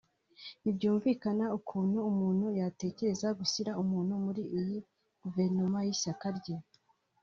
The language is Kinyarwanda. ntibyumvikana ukuntu umuntu yatekereza gushyira umuntu muli iyi guverinoma y’Ishyaka rye